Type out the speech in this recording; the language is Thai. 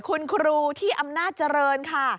คุณครูที่อำนาจเจริญค่ะ